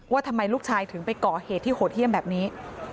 ว่าทำไมลูกชายถึงไปก่อเหตุที่โหดเยี่ยมแบบนี้